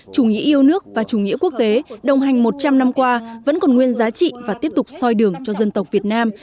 chủ nghĩa yêu nước và chủ nghĩa quốc tế đồng hành một trăm linh năm qua vẫn còn nguyên giá trị và tiếp tục soi đường cho dân tộc việt nam